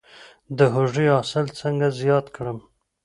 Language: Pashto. د هوږې حاصل څنګه زیات کړم؟